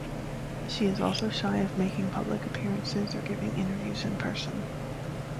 She is also shy of making public appearances or giving interviews in person.